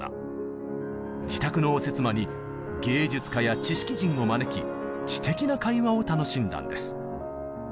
自宅の応接間に芸術家や知識人を招き知的な会話を楽しんだんです。